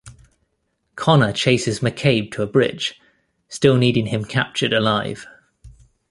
Conner chases McCabe to a bridge, still needing him captured alive.